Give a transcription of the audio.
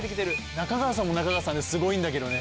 中川さんも中川さんですごいんだけどね。